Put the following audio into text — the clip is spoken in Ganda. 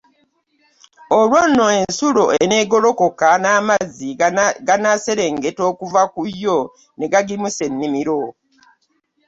Olwo nno ensulo eneegolokoka n'amazzi ganaaserengeta okuva ku yo ne gagimusa ennimiro.